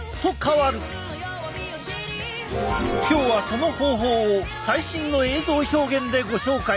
今日はその方法を最新の映像表現でご紹介。